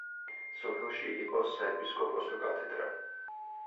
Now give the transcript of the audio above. სოფელში იყო საეპისკოპოსო კათედრა.